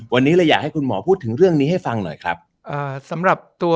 วันนี้เลยอยากให้คุณหมอพูดถึงเรื่องนี้ให้ฟังหน่อยครับอ่าสำหรับตัว